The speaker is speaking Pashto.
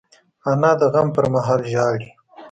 انا د غم پر مهال ژاړي